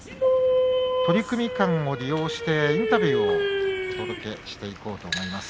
取組間を利用してインタビューをお届けしていこうと思います。